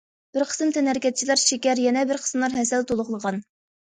بىر قىسىم تەنھەرىكەتچىلەر شېكەر، يەنە بىر قىسىملار ھەسەل تولۇقلىغان.